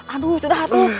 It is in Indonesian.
aduh sudah tuh